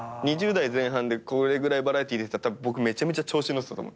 ２０代前半でこれぐらいバラエティー出てたら僕めちゃめちゃ調子乗ってた。